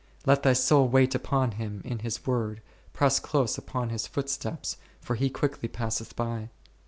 Let thy soul wait upon Him in His Word, press close upon His footsteps, for He quicklv passeth by.